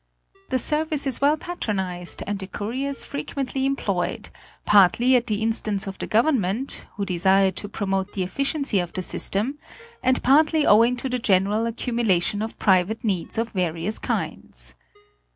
The service is well patronized and the couriers frequently employed, partly at the instance of Korea and the Koreans. 237 the government, who desire to promote the efficiency of the sys tem, and partly owing to the general accumulation of private needs of various kinds.